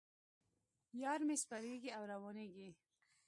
یار مې سپریږي او روانېږي.